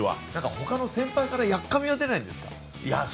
ほかの先輩からやっかみは出ないんですか？